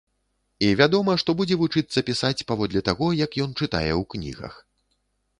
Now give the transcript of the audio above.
І вядома, што будзе вучыцца пісаць паводле таго, як ён чытае ў кнігах.